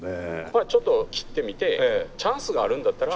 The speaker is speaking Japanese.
まあちょっと切ってみてチャンスがあるんだったら。